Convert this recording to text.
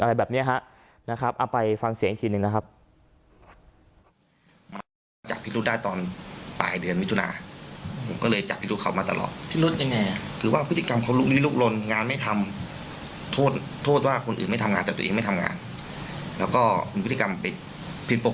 อะไรแบบนี้ฮะนะครับเอาไปฟังเสียงอีกทีหนึ่งนะครับ